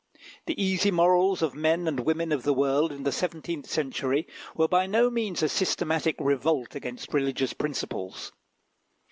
The easy morals of men and women of the world in the seventeenth century were by no means a systematic revolt against religious principles.